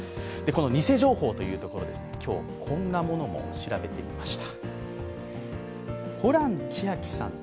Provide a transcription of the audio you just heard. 偽情報というところで今日、こんなものも調べてみました。